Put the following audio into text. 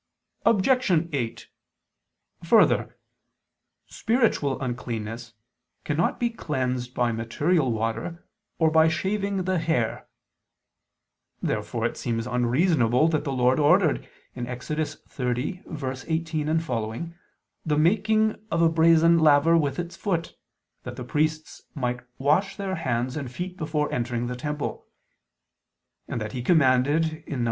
Obj. 8: Further, spiritual uncleanness cannot be cleansed by material water or by shaving the hair. Therefore it seems unreasonable that the Lord ordered (Ex. 30:18, seqq.) the making of a brazen laver with its foot, that the priests might wash their hands and feet before entering the temple; and that He commanded (Num.